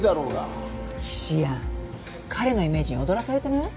菱やん彼のイメージに踊らされてない？